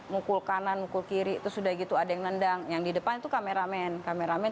mukul kanan mukul kiri itu sudah gitu ada yang nendang yang di depan itu kameramen kameramen